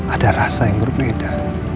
ada rasa yang berbeda